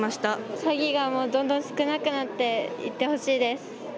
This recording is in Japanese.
詐欺がどんどん少なくなっていってほしいです。